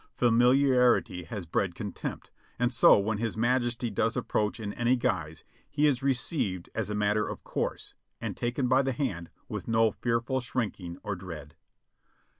Familiarity has bred con tempt; and so when his majesty does approach in any guise, he is received as a matter of course, and taken by the hand with no fearful shrinking or dread.